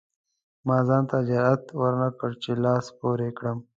ما ځان ته جرئت ورنکړ چې لاس پورې کړم.